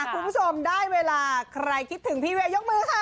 คุณผู้ชมได้เวลาใครคิดถึงพี่เวยยกมือค่ะ